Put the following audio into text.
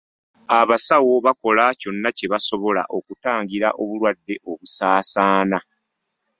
Abasawo bakola kyonna kye basobola okutangira obulwadde okusaasaana.